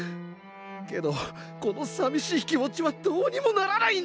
けどこのさみしい気持ちはどうにもならないんだよ！